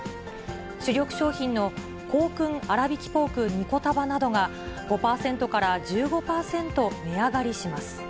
主力商品の香薫あらびきポーク２個束などが、５％から１５％値上がりします。